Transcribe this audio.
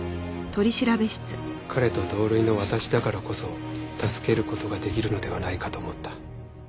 彼と同類の私だからこそ助ける事が出来るのではないかと思った。